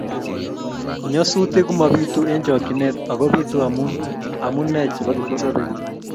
Nyasutik komobitu eng chokchinet ago bitu amu amune chebo kipkosobei